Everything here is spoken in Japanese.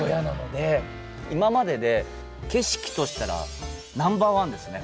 今までで景色としたらナンバーワンですね